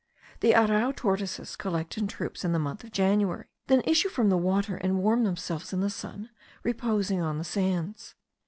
The arrau tortoises collect in troops in the month of January, then issue from the water, and warm themselves in the sun, reposing on the sands.